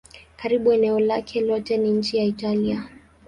Karibu eneo lake lote ni nchi ya Italia.